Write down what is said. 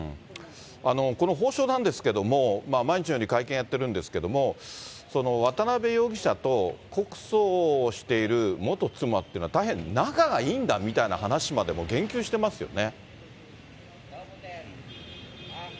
この法相なんですけれども、毎日のように会見やってるんですけれども、渡辺容疑者と告訴をしている元妻っていうのは、大変仲がいいんだみたいな話まで言及してますよね。